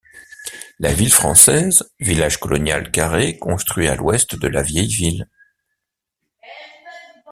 La ville française, village colonial carré construit à l'ouest de la vieille ville.